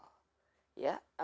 dan kita bisa menjelaskan kita